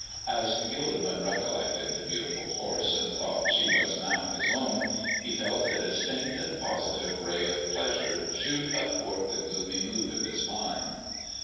As Gilderman recollected the beautiful horse and thought that she was now his own, he felt a distinct and positive ray of pleasure shoot athwart the gloomy mood of his mind.